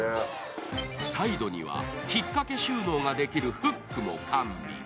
サイドには引っ掛け収納ができるフックも完備。